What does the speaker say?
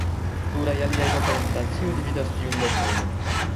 Pluraj aliaj lokoj en Francio dividas tiun loknomon.